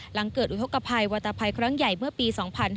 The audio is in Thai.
หลังเกิดอุทธกภัยวัตตภัยครั้งใหญ่เมื่อปี๒๕๕๙